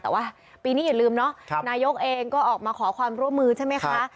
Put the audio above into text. แต่ว่าปีนี้อย่าลืมเนาะนายกเองก็ออกมาขอความร่วมมือใช่ไหมคะ